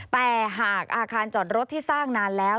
แต่หากอาคารจอดรถที่สร้างนานแล้ว